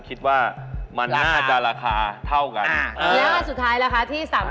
ผมวิเคราะห์อันนี้ดีกว่า